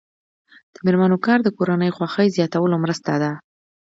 د میرمنو کار د کورنۍ خوښۍ زیاتولو مرسته ده.